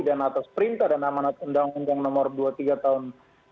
dan atas perintah dan amanat undang undang nomor dua puluh tiga tahun dua ribu sembilan belas